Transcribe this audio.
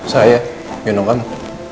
saya gendong kamu